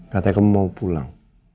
katanya kamu mau pulang